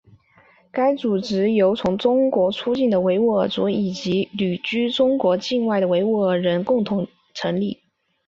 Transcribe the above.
该组织由从中国出境的维吾尔族人以及旅居中国境外的维吾尔人共同成立。